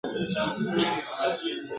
پښتنو زړه نه دی اچولی.